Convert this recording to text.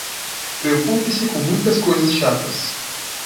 Preocupe-se com muitas coisas chatas